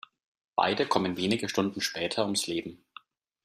Beide kommen wenige Stunden später ums Leben.